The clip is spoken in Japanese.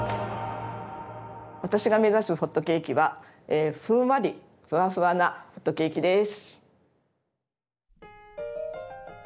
私が目指すホットケーキはふんわりふわふわなホットケーキです。